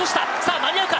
間に合うか？